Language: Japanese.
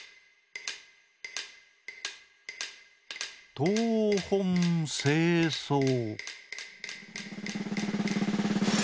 「とうほんせいそう」。